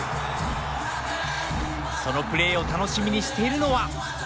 そのプレーを楽しみにしているのは。